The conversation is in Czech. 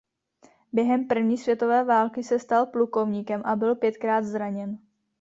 Během první světové války se stal plukovníkem a byl pětkrát zraněn.